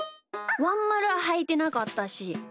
ワンまるははいてなかったし。